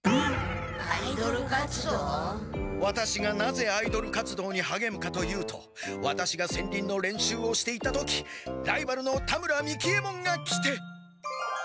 ワタシがなぜアイドル活動にはげむかというとワタシが戦輪の練習をしていた時ライバルの田村三木ヱ門が来て。